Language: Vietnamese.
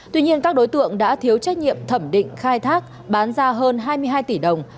tuy nhiên các đối tượng đã thiếu trách nhiệm thẩm định khai thác bán ra hơn hai mươi hai tỷ đồng